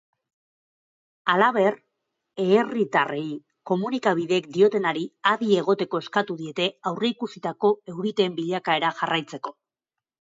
Halaber, eherritarrei komunikabideek diotenari adi egoteko eskatu diete aurreikusitako euriteen bilakaera jarraitzeko.